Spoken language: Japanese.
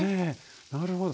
なるほど。